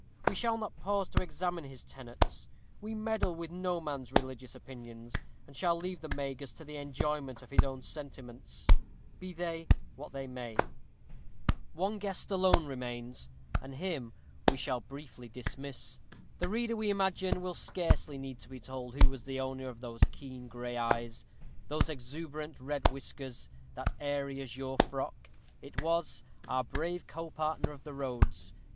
We shall not pause to examine his tenets; we meddle with no man's religious opinions, and shall leave the Magus to the enjoyment of his own sentiments, be they what they may. One guest alone remains, and him we shall briefly dismiss. The reader, we imagine, will scarcely need to be told who was the owner of those keen gray eyes; those exuberant red whiskers; that airy azure frock. It was Our brave co partner of the roads.